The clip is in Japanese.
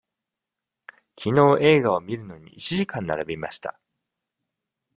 きのう映画を見るのに、一時間並びました。